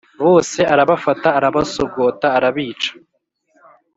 bose arabafata arabasogota arabica